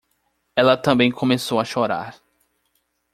Ela também começou a chorar